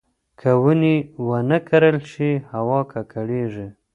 که ونې ونه کرل شي، هوا ککړېږي.